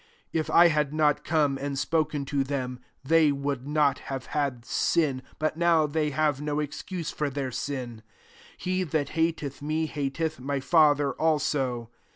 £2 " If I had not come, and ^ptOf ken to them, they would not hare had sin : but now they haTe no excuse for their sin. 23 He that hateth me, hateth my Father also.